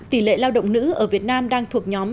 tỷ lệ lao động nữ ở việt nam đang thuộc nhóm